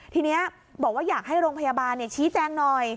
ทีนี้บอกว่าอยากให้โรงพยาบาลชี้แจงหน่อย